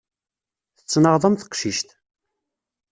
Tettnaɣeḍ am teqcict.